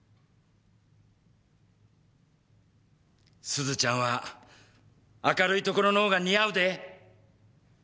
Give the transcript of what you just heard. すずちゃんは明るいところのほうが似合うで。